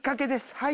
はい。